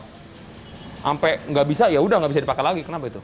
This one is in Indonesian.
sampai nggak bisa yaudah nggak bisa dipakai lagi kenapa itu